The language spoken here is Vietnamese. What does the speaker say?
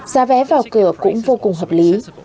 giá vé vào cửa cũng vô cùng hợp lý